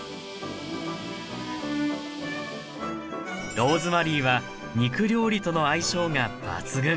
ローズマリーは肉料理との相性が抜群。